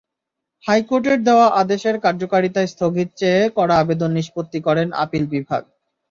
হাইকোর্টের দেওয়া আদেশের কার্যকারিতা স্থগিত চেয়ে করা আবেদন নিষ্পত্তি করেন আপিল বিভাগ।